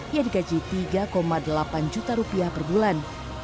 ia digaji tiga delapan juta rupiah per bulan